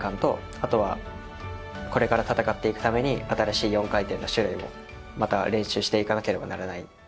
あとはこれから戦っていくために新しい４回転の種類をまた練習していかなければならないと思います。